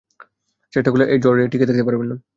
চেষ্টা করলেও এই ঝড়ে টিকে থাকতে পারবেন না!